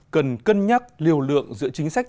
cần cân nhắc liều lượng giữa chính sách